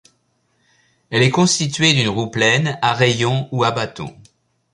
Elle est constituée d’une roue pleine, à rayon ou à bâton.